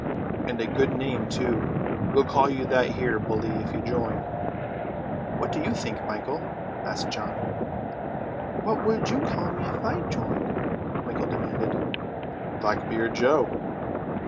"And a good name too. We'll call you that here, bully, if you join." "What do you think, Michael?" asked John. "What would you call me if I join?" Michael demanded. "Blackbeard Joe."